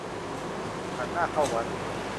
หันหน้าเข้าวัด